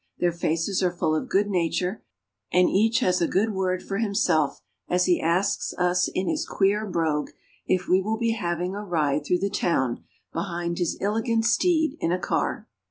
Their faces are full of good nature, and each has a good word for himself as he asks us in his queer brogue, "if we will be having a ride through the town, behind his illigant steed, in a car."